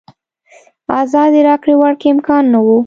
ازادې راکړې ورکړې امکان نه و.